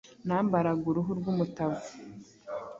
Nambaraga uruhu rw’umutavu